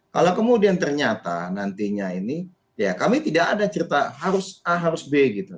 kalau kemudian ternyata nantinya ini ya kami tidak ada cerita harus a harus b gitu